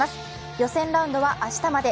予選ラウンドは明日まで。